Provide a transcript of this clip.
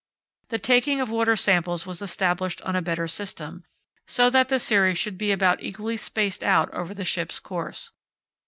The taking of water samples was established on a better system, so that the series should be about equally spaced out over the ship's course.